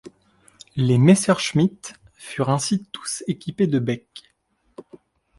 Les Messerschmitt furent ainsi tous équipés de becs.